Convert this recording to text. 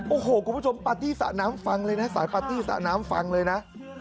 โอ้โหคุณผู้ชมปาร์ตี้สระน้ำฟังเลยนะสายปาร์ตี้สระน้ำฟังเลยนะ